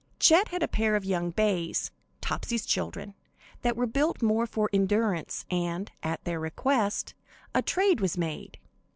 Chet had a pair of young bays Topsy's children that were built more for endurance, and, at their request, a trade was made.